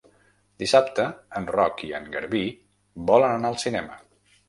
Dissabte en Roc i en Garbí volen anar al cinema.